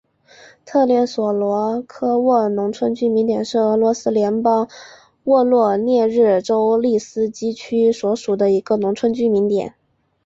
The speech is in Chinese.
特列索鲁科沃农村居民点是俄罗斯联邦沃罗涅日州利斯基区所属的一个农村居民点。